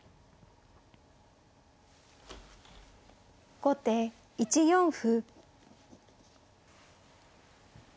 後手１四歩。